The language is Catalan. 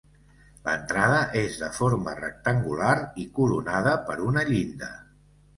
L'entrada és de forma rectangular i coronada per una llinda.